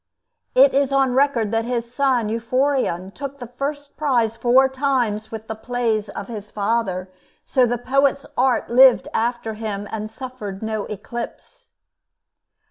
It is on record that his son Euphorion took the first prize four times with plays of his father; so the poet's art lived after him and suffered no eclipse.